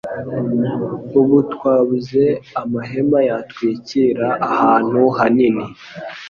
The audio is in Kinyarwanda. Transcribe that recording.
Ubu twabuze amahema yatwikira ahantu hanini.